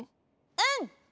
うん！